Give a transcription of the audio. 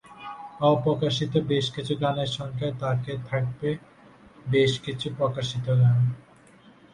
অপ্রকাশিত বেশ কিছু গানের সঙ্গে তাতে থাকবে বেশ কিছু প্রকাশিত গানও।